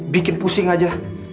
bikin pusing aja